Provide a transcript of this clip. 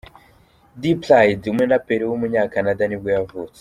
D-Pryde, umuraperi w’umunyakanada nibwo yavutse.